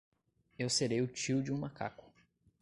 Eu serei o tio de um macaco!